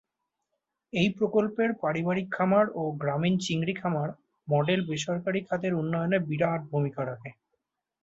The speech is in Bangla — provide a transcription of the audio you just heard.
এই প্রকল্পের "পারিবারিক খামার" ও "গ্রামীণ চিংড়ি খামার" মডেল বেসরকারি খাতের উন্নয়নে বিরাট ভূমিকা রাখে।